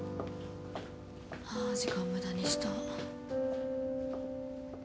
ああ時間無駄にした。